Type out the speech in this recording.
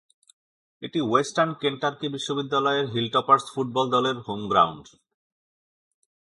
এটি western Kentucky বিশ্ববিদ্যালয় Hilltoppers football দলের হোম গ্রাউন্ড।